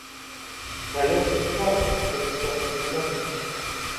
Пра лёс экіпажу пакуль нічога невядома.